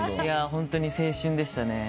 ホントに青春でしたね。